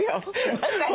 まさに。